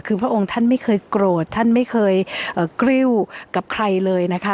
คือพระองค์ท่านไม่เคยโกรธท่านไม่เคยกริ้วกับใครเลยนะคะ